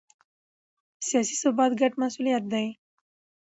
سیاسي ثبات ګډ مسوولیت دی